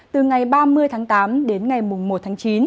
từ ngày ba mươi tháng tám đến ngày một tháng chín